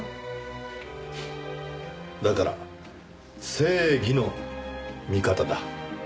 だから正義の味方だ。